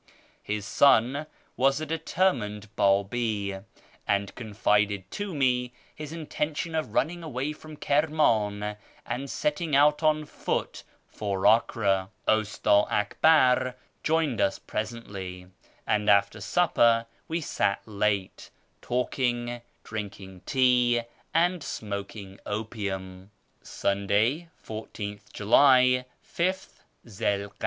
His son was a determined Babi, and confided to me his intention of running away from Kirmtin and setting out alone and on foot for Acre. Usta Akbar joined us presently, and after supper we sat late, talking, drinking tea, and smoking opium. Sunday, 1 ^th Jtdy, 5th Zi 'l ko'da.